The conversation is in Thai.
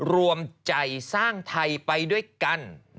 รวมใจสร้างไทยไปด้วยกัน